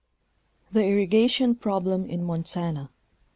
THE IRRIGATION PROBLEM IN MONTANA.